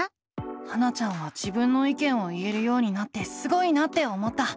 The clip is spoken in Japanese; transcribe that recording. ハナちゃんは自分の意見を言えるようになってすごいなって思った。